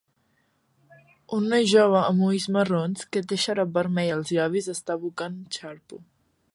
Un noi jove, amb ulls marrons, que té xarop vermell als llavis, està abocant xarpo.